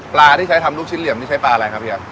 ที่ใช้ทำลูกชิ้นเหลี่ยมนี่ใช้ปลาอะไรครับเฮีย